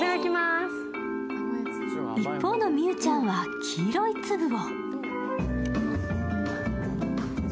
一方の美羽ちゃんは黄色い粒を。